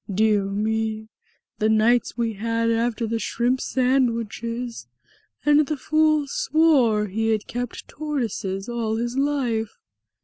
Dear me! The nights we had after the shrimp sandwiches! And the fool swore he had kept tortoises all his life!"